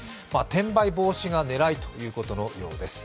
転売防止が狙いということのようです。